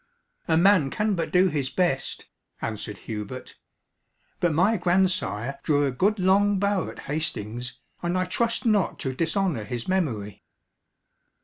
"A man can but do his best," answered Hubert; "but my grandsire drew a good long bow at Hastings, and I trust not to dishonour his memory."